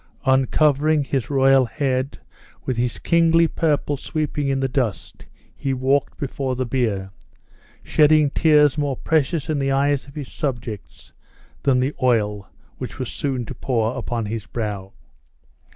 Uncovering his royal head, with his kingly purple sweeping in the dust, he walked before the bier, shedding tears, more precious in the eyes of his subjects than the oil which was soon to pour upon his brow.